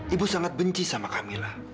ibu sangat benci sama kamila